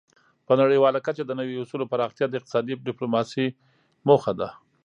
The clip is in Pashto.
په نړیواله کچه د نوي اصولو پراختیا د اقتصادي ډیپلوماسي موخه ده